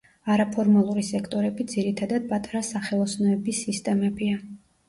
არაფორმალური სექტორები ძირითადად პატარა სახელოსნოების სისტემებია.